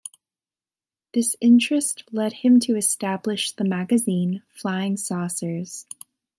This interest led him to establish the magazine "Flying Saucers".